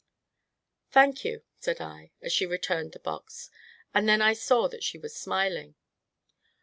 "Thank you!" said I, as she returned the box, and then I saw that she was smiling.